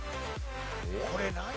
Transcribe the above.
これ何？